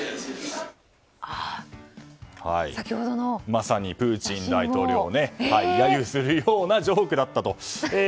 まさにプーチン大統領を揶揄するようなジョークだったと。